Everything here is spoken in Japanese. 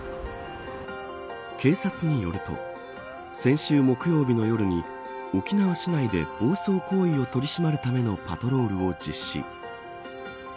警察によると先週木曜日の夜に沖縄市内で暴走行為を取り締まるためのパトロールを実施。